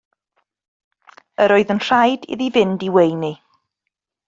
Yr oedd yn rhaid iddi fynd i weini.